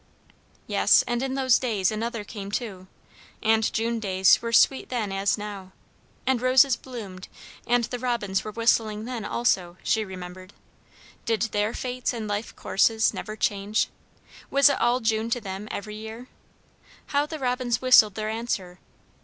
Yes, and in those clays another came too; and June days were sweet then as now; and roses bloomed; and the robins were whistling then also, she remembered; did their fates and life courses never change? was it all June to them, every year? How the robins whistled their answer!